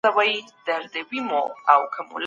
ښځي په هر ډګر کي بریا ترلاسه کولای سي.